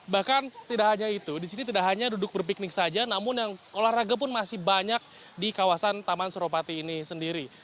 bahkan tidak hanya itu di sini tidak hanya duduk berpiknik saja namun yang olahraga pun masih banyak di kawasan taman suropati ini sendiri